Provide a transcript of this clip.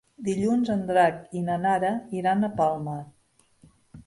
Dilluns en Drac i na Nara iran a Palma.